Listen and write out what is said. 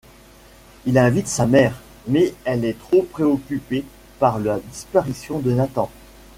Il invite sa mère, mais elle est trop préoccupé par la disparition de Nathan.